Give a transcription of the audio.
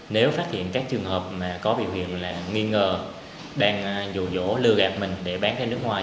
nếu phát hiện các trường hợp có biểu hiện là nghi ngờ đang dù dỗ lừa gạt mình để bán ra nước ngoài